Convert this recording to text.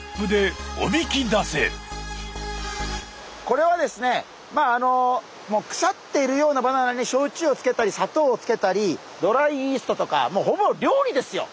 これはですねまああの腐っているようなバナナに焼酎をつけたり砂糖をつけたりドライイーストとかもうほぼ料理ですよ。